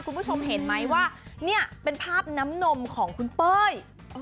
คุณผู้ชมเห็นไหมว่าเนี่ยเป็นภาพน้ำนมของคุณเป้ย